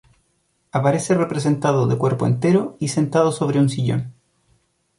Aparece representado de cuerpo entero y sentado sobre un sillón.